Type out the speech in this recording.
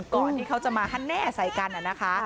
ก่อนที่เขาจะมาฮันแน่ใส่กันนะคะ